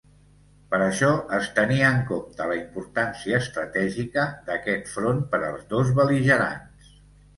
Per això es tenia en compte la importància estratègica d'aquest front per als dos bel·ligerants.